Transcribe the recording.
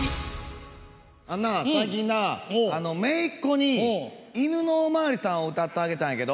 最近なめいっ子に「いぬのおまわりさん」を歌ってあげたんやけど。